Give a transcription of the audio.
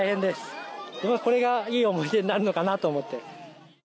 でもこれがいい思い出になるのかなと思って。